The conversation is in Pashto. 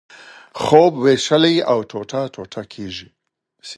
خوب وېشلی او ټوټه ټوټه کېږي.